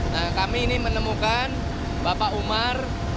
nah kami ini menemukan bapak umar